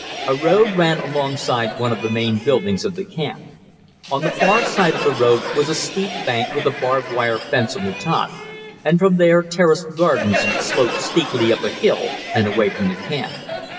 A road ran alongside one of the main buildings of the camp. On the far side of the road was a steep bank with a barbed wire fence on the top, and from there terraced gardens sloped steeply up a hill and away from the camp.